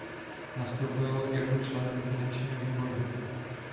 Nastoupil jako člen do finančního výboru.